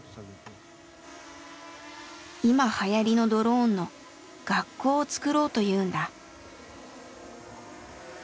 今はやりのドローンの学校を作ろうというんだ。